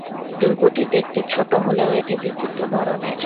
দুর্গটি দেখতে ছোট হলেও এটি বিচিত্র ধরনের।